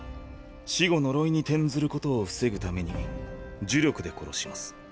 死後呪いに転ずることを防ぐために呪力で殺します。